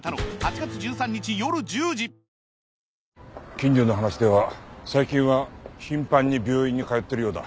近所の話では最近は頻繁に病院に通っているようだ。